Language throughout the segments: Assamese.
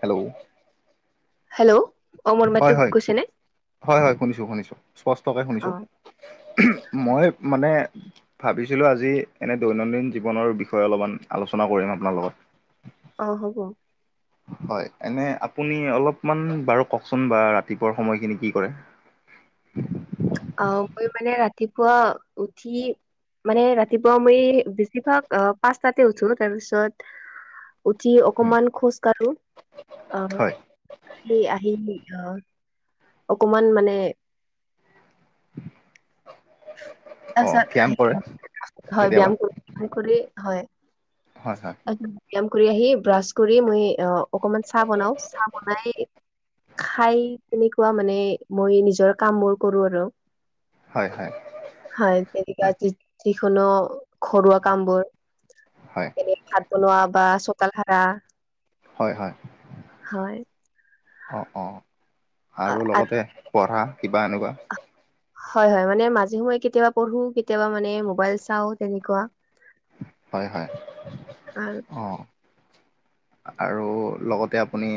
হেল্ল' হেল্ল' অ মোৰ মাতটো হয় হয় গৈছে নে? হয় হয় শুনিছো শুনিছো, স্পষ্টকে অ শুনিছো। মই মানে- ভাবিছিলোঁ আজি এনে দৈনন্দিন জীৱনৰ বিষয়ে অলপমান আলোচনা কৰিম আপোনাৰ লগত। অঁ হ'ব। হয়, এনে আপুনি অলপমান বাৰু কওকচোন বা ৰাতিপুৱা সময়খিনি কি কৰে? আহ মই মানে ৰাতিপুৱা উঠি মানে ৰাতিপুৱা মই বেছিভাগ পাঁচটাতে উঠো তাৰ পিছত উঠি অকমান খোজ কাঢ়ো আহ হয় আহি আহি আহ অকমান মানে অ তাৰপিছত ধ্যান কৰে আহি হয় কেতিয়াবা ব্যায়াম কৰিলি হয়। হয় হয়, ব্যাম কৰি আহি ব্ৰাছ কৰি মই অঁ অকনমান চাহ বনাও চাহ বনাই খাই তেনেকুৱা মানে মই নিজৰ কাম বোৰ কৰো আৰু। হয় হয়, হয় তেৰিকা হয় যিকোনো ঘৰুৱা কামবোৰ। হয়, ভাত বনোৱা বা চোতাল হাৰা। হয় হয়, হয়, অঁ অঁ আৰু লগতে পঢ়া কিবা এনেকুৱা। হয় হয়, মানে মাজে সময়ে কেতিয়াবা পঢ়ো কেতিয়াবা মানে মবাইল চাও তেনেকুৱা। হয় হয়। আঁ, অঁ', আৰু লগতে আপুনি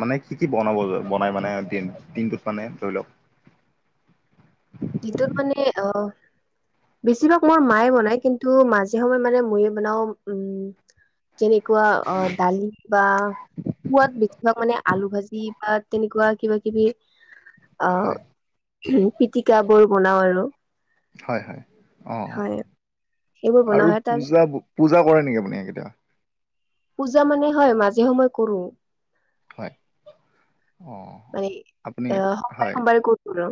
মানে কি কি বনাব বনাই মানে দি দিনটোত মানে ধৰি লওক যিটোত মানে অ বেছিভাগ মোৰ মায়ে বনায় কিন্তু মাজে সময়ে মানে মইয়ো বনাও উম যেনেকোৱা অ দালি বা খোৱাত বেছিভাগ মানে আলু ভাজি বা তেনেকোৱা কিবা কিবি অ হয় উম পি তিকাবোৰ বনাও আৰু হয় হয় হয় এইবোৰ বনাও পূ পূজা পূজা কৰে নেকি আপুনি এইকেইটা পূজা মানে হয় মাজে সময়ে কৰো হয় অ মানে আপুনি অহ সোমবাৰে হয় সোমবাৰে ঘত কৰো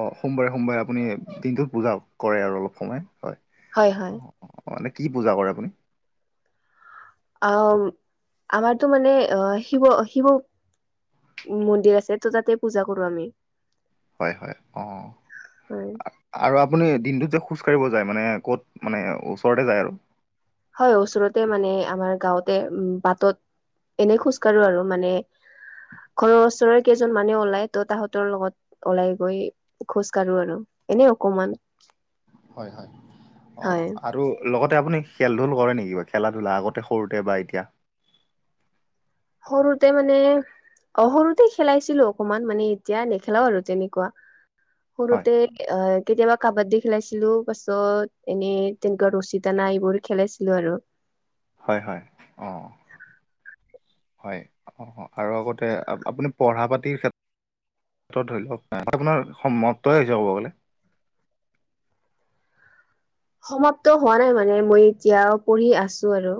অ সোমবাৰে সোমবাৰে আপুনি দিনটোত পূজাও কৰে আৰু অলপ সময় হয় অ অ অ এনে কি পূজা কৰে আপুনি? অ আমাৰতো মানে অ শিৱ শিৱ মন্দিৰ আছে ত' তাতে পূজা কৰো আমি হয় হয় অ হয় আ আৰু আপুনি দিনটোত যে খোজ কঢ়িব যায় মানে ক'ত মানে ওচৰতে যায় আৰু হয় ওচৰতে মানে আমাৰ গাঁওতে উ বাটত এনে খোজ কাঢ়ো আৰু মানে ঘৰৰ ওচৰৰে কেইজন মানে ওলাই ত তাহাঁতৰ লগত ওলাই গৈ খোজ কাঢ়ো আৰু এনে অকমান হয় হয় অ হয় আৰু লগতে আপুনি খেল ধূল কৰে নেকি বা খেলা ধূলা আগতে সৰুতে বা এতিয়া সৰুতে মানে অ সৰুতে খেলাইছিলো অকমান মানে এতিয়া নেখেলাও আৰু তেনেকোৱা। হয় সৰুতে এ কেতিয়াবা কাবাড্ডী খেলাইছিলো পাছত এনে তেনেকোৱা ৰছী টানা এইবোৰ খেলাইছিলো আৰু। হয় হয় অ হয় অ অ আৰু আগতে আ আপুনি পঢ়া পাতিৰ ক্ষে ত্ৰত ধৰি লওক আপোনাৰ সমাপ্তই হৈছে ক'ব গ'লে সমাপ্ত হোৱা নাই মানে মই এতিয়াও পঢ়ি আছো আৰু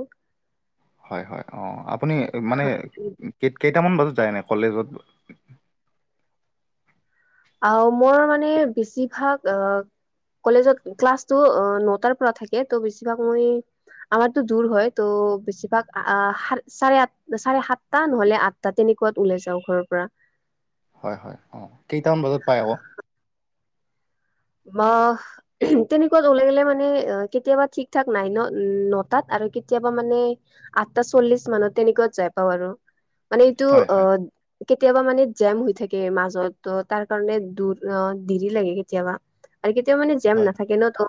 হয় হয় অ আপুনি মানে কে কেইটামান বজাত যায় এনে কলেজত? আহ মোৰ মানে বেছিভাগ আহ কলেজত ক্লাছটো নটাৰ পৰা থাকে ত' বেছিভাগ মই আমাৰতো দূৰ হয় ত বেছিভাগ আহ চাৰে আঠ চাৰে সাতটা নহলে আঠ তাত তেনেকোৱাত ওলাই যাও ঘৰৰ পৰা হয় হয় অ কেইটামান বজাত পাই আকৌ তোমা তেনেকোৱাত ওলাই গলে মানে কেতিয়াবা ঠিক ঠাক নাই ন নটাত আৰু কেতিয়াবা মানে আঠটা চল্লিশ মানত তেনেকোৱাত যাই পাও আৰু মানে এইটো হয় অ হয় কেতিয়াবা মানে জাম হৈ থাকে মাজৰতোৰ তাৰ কাৰণে দূৰ অ দেৰি লাগে কেতিয়াবা আৰু কেতিয়াবা মানে জাম হয় নাথাকে ন তো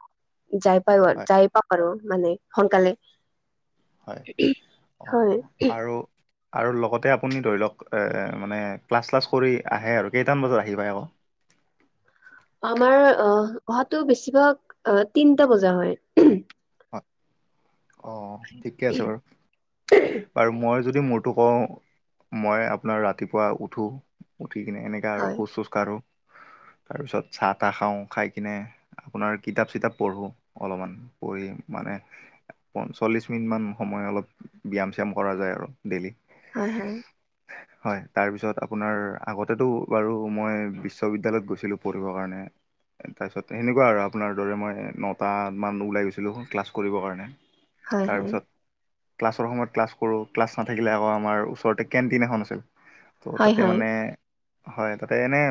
যাই পায় আৰু হয় যাই পাওক আৰু মানে সোনকালে হয় অ হয় আৰু আৰু লগতে আপুনি ধৰি লওক মানে ক্লাছ চালাছ কৰি আহে আৰু কেইটা মান বজাত আহি পায় আকৌ আমাৰ অ অহাতো বেছিভাগ অ তিনটা বজা হয় হয় অ' ঠিকে আছে বাৰু। বাৰু মই যদি মোৰতো কওঁ। মই আপোনাৰ ৰাতিপুৱা উঠো, উঠি কিনে সনেকা আৰু হয় খোজ - চোজ কাঢ়ো। তাৰপিছত চাহ - তাহ খাওঁ খাই কিনে আপোনাৰ কিতাপ চিতাপ পঢ়ো অলপমান। পঢ়ি মানে পচল্লিশ মিনিট মান সময় অলপ ব্যায়াম চ্যাম কৰা যায় আৰু ডেইলি। হয় হয়। উ [inaudible] হয়, তাৰপিছত আপোনাৰ আগতেতো বাৰু মই বিশ্ববিদ্যালয়ত গৈছিলো পঢ়িবৰ কাৰণে। তাৰপিছত সেনেকুৱা আৰু আপোনাৰ দৰে মই নট মান ওলাই গৈছোঁ। ক্লাছ কৰিব কাৰণে হয় হয় তাৰপিছ। ক্লাছৰ সময়ত কলাছ কৰোঁ ক্লাছথাকিলে আকৌ আমাৰ ওচৰতে কেণ্টিন এখন আছিল। ত' হয় তাতে হয় মানে, হয় তাতে এনে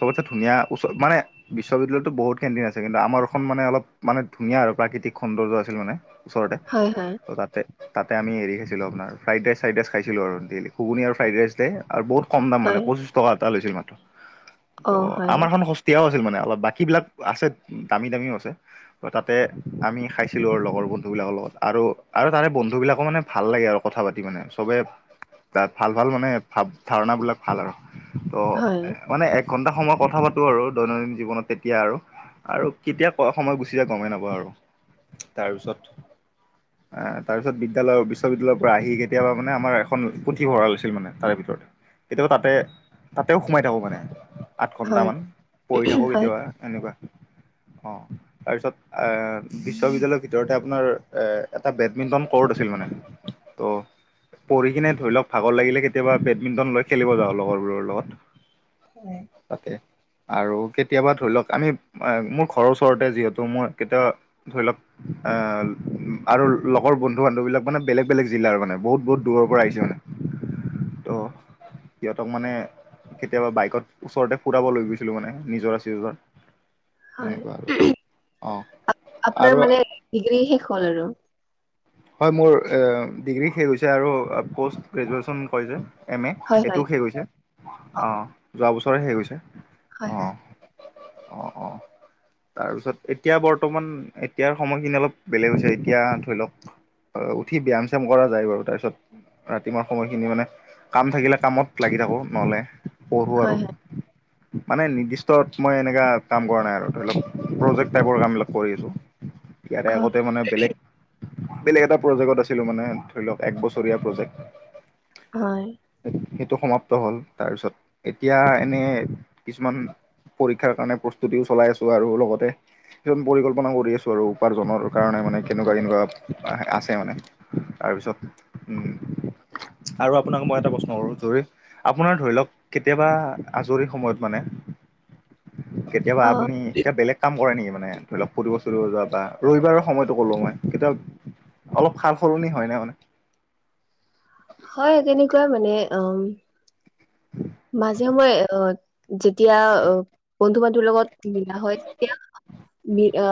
চবতে ধুনীয়া ওচৰত মানে। বিশ্ববিদ্যালয়তো বহুত কেন্টিন আছে কিন্তু আমাৰখন মানে অলপ মানে ধুনীয়া আৰু প্ৰাকৃতিক। সৌন্দৰ্য আছিল মানে ওচৰতে। হয় হয়। ত' তাতে আমি হেৰি খাইছিলো আপোনাৰ ফ্ৰাইড ৰাই চাইড ৰাই খাইছিলোঁ ডেইলি ঘুগুনি আৰু ফ্ৰাইড ৰাইচ দে। আৰু বহুত কম দাম মানে হয় পঁচিশ টকা এটা লৈছিল মাত্ৰ ত অ হয় আমাৰ এ। তেতিয়াও আছিল মানে অলপ বাকীবিলাক আছে, দামী দামীও আছে তাতে। আমি খাইছিলো আৰু লগৰ বন্ধু বিলাকৰ লগত আৰু তাৰে বন্ধু বিলাকো মানে ভাল লাগে আৰু কথা পাতি মানে চবে। তাত ভাল ভাল মানে ধাৰণা বিলাক ভাল আৰু ত' হয় মানে। ঘণ্টা সময় কথা পাতো আৰু দৈনন্দিন জীৱনত তেতিয়া আৰু। আৰু কেতিয়া সময়ত গুচি যায় গমেই নাপাও আৰু। তাৰ পিছত। তাৰপিছত বিদ্যালয়ৰ বিশ্ববিদ্যালয়ৰ পৰা আহি কেতিয়াবা মানে আমাৰ এখন পুথিভঁৰা লৈছিল মানে তাৰে ভিতৰত। কেতিয়াবা তাতে, তাতেও সোমাই থাকো মানে। আঠ হয় ঘণ্টামান পঢ়ি থাকোঁ হয় কেতিয়াবা এনেকুৱা। অঁ তাৰপিছত। বিশ্ববিদ্য়ালয়ৰ ভিতৰতে আপোনাৰ এ এটা বেডমিন্টন কৰ্ট আছিল মানে ত'। পঢ়ি কিনে ধৰি লওক ভাগৰ লাগিলে কেতিয়াবা বেডমিণ্টন লৈ খেলিব যাওঁ লগৰবোৰৰ লগত। হয়। তাতে আৰু কেতিয়াবা ধৰি লওক আমি মোৰ ঘৰৰ ওচৰতে যিহেতু মই কেতিয়াবা। ধৰি লওক। আহ আৰু লগৰ বন্ধু - বান্ধৱবিলাক মানে বেলেগ বেলেগ জিলাৰ মানে বহুত বহুত দূৰৰ পৰা আহিছে মানে। ত' সিহঁতক মানে। কেতিয়াবা বাইকত ওচৰতে ফুৰাব লৈ গৈছিলো মানে নিজৰ আ চিজৰ। হয় সনেকুৱা আৰু অঁ। আপোনাৰ মানে ডিগ্ৰী শেষ হ'ল আৰু। হয়, মোৰ ডিগ্ৰী শেষ হৈছে আৰু প'ষ্ট গ্ৰেজুৱেশ্যন কৰিছে। এম এ হয় হয় এইটো শেষ গৈছে, অ' যোৱা বছৰে শে গৈছে হয় হয় অ'। অঁ অঁ। তাৰপিছত এতিয়া বৰ্তমান এতিয়াৰ সময়খিনি অলপ বেলেগ হৈছে এতিয়া ধৰি লওক। অ' উঠি ব্যায়াম চ্যাম কৰা যায় বাৰু তাৰপিছত। ৰাতিপুৱাৰ সময়খিনি মানে কাম থাকিলে কামত লাগি থাকো নহলে পঢ়ো আৰু। হয় হয় মানে নিৰ্দিষ্ট মই এনেকুৱা কাম কৰা নাই আৰু ধৰি লওক প্ৰজেক্ট টাইপৰ কাম বিলাক কৰি আছো। ইয়াৰে অ আগতে মানে বেলেগ। বেলেগ এটা প্ৰজেক্টত আছিলো মানে ধৰি লওক এক বছৰীয়া প্ৰজেক্ট হয় সেটো সমাপ্ত হ'ল তাৰপিছত এতিয়া এনে কিছুমান পৰীক্ষাৰ কাৰণে প্ৰস্তুতিও চলাই আছো আৰু লগতে কিছুমান পৰিকল্পনাও কৰি আছো আৰু উপাৰ্জনৰ কাৰণে মানে কেনেকুৱা কেনেকুৱা আহ আছে মানে তাৰপিছত উম আৰু আপোনাক মই এটা প্ৰশ্ন কৰো জৰি আপোনাৰ ধৰি লওঁক কেতিয়াবা আজৰি সময়ত মানে কেতিয়াবা অ আপুনি এতিয়া বেলেগ কাম কৰে নেকি মানে ধৰি লওক ফুৰিব ফুৰিব যোৱা বা ৰবিবাৰৰ সময়তো কলো মই কেতিয়া অলপ সাল-সলনি হয় নে মানে হয় তেনেকুৱাই মানে অম মাজে সময়ে অ যেতিয়া বন্ধু-বান্ধৱীৰ লগত বিয়া হয় তেতিয়া বি অ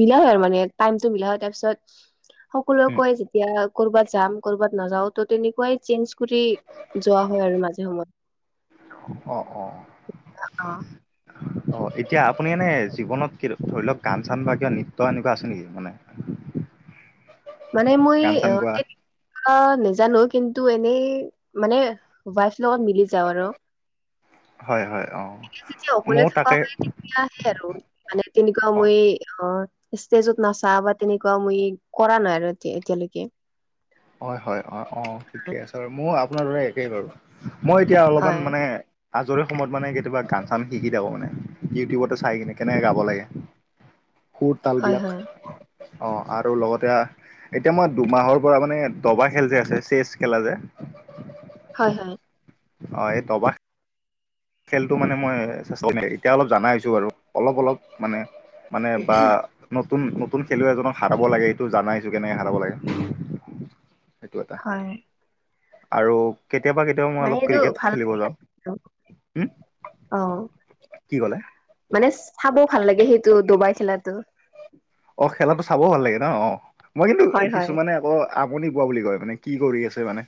মিলা হয় আৰু মানে টাইমতটো মিলা হয় তাৰপিছত সকলোৱে কয় তেতিয়া ক'ৰবাত যাম ক'ৰবাত নাযাও ত তেনেকুৱাই চেঞ্জ কৰি যোৱা হয় আৰু মাজে সময়ে অ অ অ অ এতিয়া আপুনি এনে জীৱনত ধৰি লওঁক গান-চান বা কিবা নৃত্য এনেকুৱা আছে নেকি মানে [unintelligible] মানে মই গান চান অ গোৱা অ নেজানো কিন্তু এনেই মানে ৱাইফ লগত মিলি যাওঁ আৰু হয় হয় অ এতিয়া যেতিয়া অকলে ময়ো থকা তাকে হয় তেতিয়াহে আৰু মানে তেনেকুৱা অ মই অ ষ্টেজত নাচা বা তেনেকুৱা মই কৰা নাই আৰু এ এতিয়ালৈকে হয় হয় হয় অ ঠিকে আছে বাৰু মোৰ আপোনাৰ দৰে একেই বাৰু মই এতিয়া অলপমান হয় মানে আজৰি সময়ত মানে কেতিয়াবা গান-চান শিকি থাকোঁ মানে ইউটিউবতে চাই কিনে কেনেকে গাব লাগে [inaudible] সু তাল হয় বিলাক হয় অ আৰু লগতে এতিয়া মই দুমাহৰ পৰা মানে দবা খেল যে এছ এইচ এচ খেলে যে হয় হয় অ এই ডবা খেলটো মানে মই এতিয়া অলপ জানা হৈছো বাৰু অলপ অলপ মানে মানে বা নতুন নতুন খেলুৱৈ এজনক সাৰব লাগে এইটো জানা হৈছো কেনেকে হাৰাব লাগে সেইটো এটা হয় আৰু কেতিয়াবা কেতিয়াবা মই মানে অলপ সেইটো ক্ৰিকেট ভাল খেলিব যাওঁ লাগে উম অ কি ক'লে মানে চাবও ভাল লাগে সেইটো দবাই খেলাতো অ খেলাটো চাবও ভাল লাগে ন অ মই কিন্তু হয় হয় কিছুমানে অ আমুনি পোৱা বুলি কয় মানে কি কৰি আছে মানে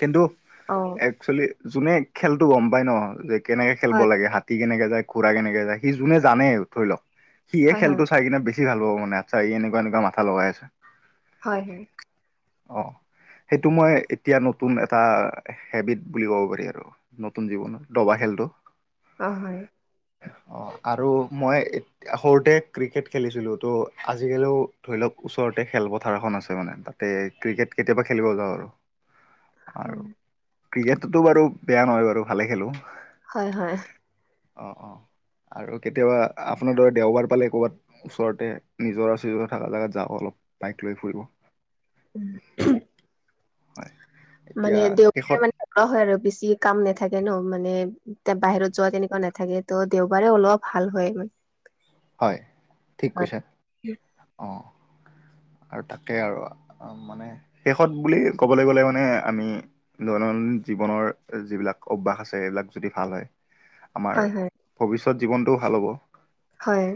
কিন্তু অ', একচুৱেলি যোনে খেলতো গম পায় ন যে কেনেকে খেলব হয়, লাগে হাতী কেনেকে যায় ঘুৰা কেনেকে যায় সি যোনে জানে ধৰি লওঁক সি হে হয়, হয়, খেলটো চাই কিনে বেছি ভাল পাব মানে চাই এনকা এনকা মাথা লগাই আছে হয় হয় অ সেইটো মই এতিয়া নতুন এটা হেবিট বুলি ক'ব পাৰি আৰু নতুন জীৱনৰ ডবা খেলটো অ হয়। অ, আৰু মই সৰুতে ক্ৰিকেট খেলিছিলোঁ, ত' আজিকালিও ধৰি লওক ওচৰতে খেলপথাৰ এখন আছে মানে তাতে, ক্ৰিকেট কেতিয়াবা খেলিব যাওঁ আৰু। আৰু উম। ক্ৰিকেটতো বাৰু বেয়া নহয় বাৰু ভালে খেলো, হয় হয়। অঁ অঁ, আৰু কেতিয়াবা আপোনাৰ ধৰ দেওবাৰ পালে ক'ৰবাত, ওচৰতে, নিজৰা চিজৰা থকা জাগাত যাওঁ অলপ, বাইক লৈ ফোৰো। উম হয় এতিয়া মানে দেওবাৰে শেষত মানে থকা হয় আৰু বেছি কাম নাথাকে ন মানে? এতিয়া বাহিৰত যোৱা তেনেকুৱা নাথাকে ত' দেওবাৰে অলপ ভাল হয় মানে। হয় ঠিক হয়, কৈছা, অঁ আৰু তাকে আৰু মানে শেষত বুলি ক'বলৈ গ'লে মানে আমি, দৈনন্দিন জীৱনৰ যিবিলাক অভ্যাস আছে এইবিলাক যদি ভাল হয়, আমাৰ হয়, হয়, ভৱিষ্যত জীৱনটোও ভাল হ'ব। হয়।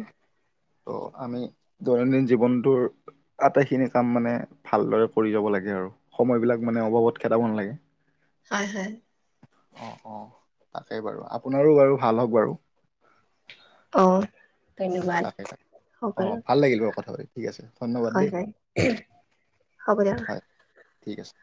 ত' আমি দৈনন্দিন জীৱনটোৰ আটাইখিনি কাম মানে ভালদৰে কৰি যাব লাগে আৰু। সময় বিলাক মানে অবাবত খেদাব নালাগে। হয় হয়। অ অ, তাকেই বাৰু আপোনাৰো বাৰু ভাল হওক বাৰু, অ ধন্যবাদ। তাকে তাকে সকলো অঁ ভাল লাগিল বাৰু কথা পাতি ঠিক আছে ধন্যবাদ হয় দেই হয়। হ'ব দে, হয় ঠিক আছে।